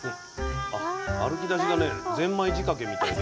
歩きだしがねぜんまい仕掛けみたいで。